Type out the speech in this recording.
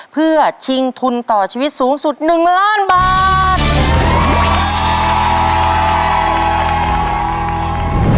เพื่อชิงทุนต่อชีวิตสูงสุด๑ล้านบาท